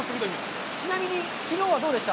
ちなみに、きのうはどうでしたか？